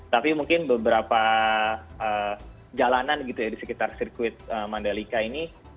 tapi mungkin beberapa jalanan gitu ya di sekitar sirkuit mandalika ini